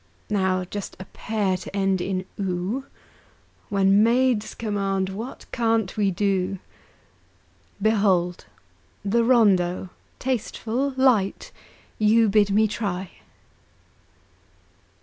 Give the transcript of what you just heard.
Now just a pair to end in "oo" When maids command, what can't we do? Behold! the rondeau, tasteful, light, You bid me try!